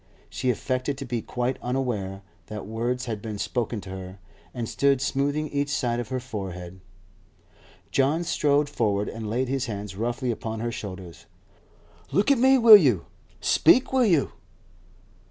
She affected to be quite unaware that words had been spoken to her, and stood smoothing each side of her forehead. John strode forward and laid his hands roughly upon her shoulders. 'Look at me, will you? Speak, will you?